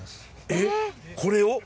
ええっこれを？